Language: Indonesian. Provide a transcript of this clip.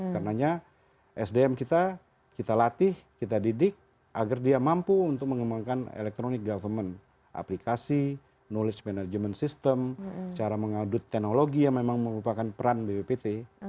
karena sdm kita kita latih kita didik agar dia mampu untuk mengembangkan elektronik government aplikasi knowledge management system cara mengadut teknologi yang memang merupakan peran bbpt